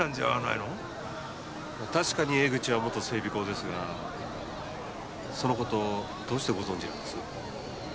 確かに江口は元整備工ですがその事をどうしてご存じなんです？